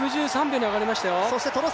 ６３で上がりましたよ。